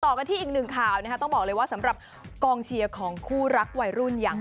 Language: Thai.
กันที่อีกหนึ่งข่าวนะคะต้องบอกเลยว่าสำหรับกองเชียร์ของคู่รักวัยรุ่นอย่าง